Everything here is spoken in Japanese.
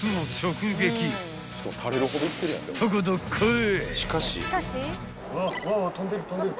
［すっとこどっこい］